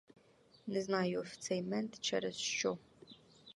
Не знаю в цей мент, через що.